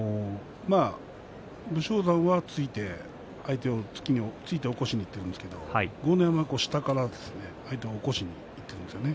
武将山は相手を突いて起こしにいっているんですけれども豪ノ山は下から相手を起こしにいっているんですよね。